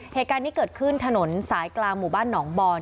เหตุการณ์นี้เกิดขึ้นถนนสายกลางหมู่บ้านหนองบอน